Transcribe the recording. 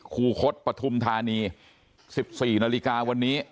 คูคถปฐุมธาณีสิบสี่นาฬิกาวันนี้